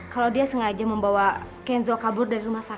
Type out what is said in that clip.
kalau dia sengaja membawa kenzo kabur dari rumahnya